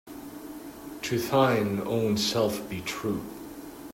To thine own self be true